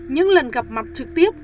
những lần gặp mặt trực tiếp